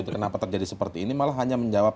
kenapa terjadi seperti ini malah hanya menjawab